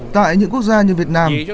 tại những quốc gia như việt nam